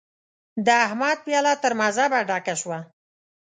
د احمد پياله تر مذهبه ډکه شوه.